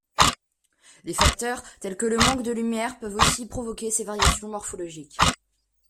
Des facteurs tels que le manque de lumière peuvent aussi provoquer ces variations morphologiques.